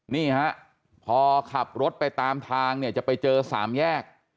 นี่ฮะพอขับรถไปตามทางเนี่ยจะไปเจอสามแยก